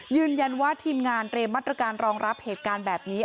ยืนยันว่าทีมงานเตรียมมาตรการรองรับเหตุการณ์แบบนี้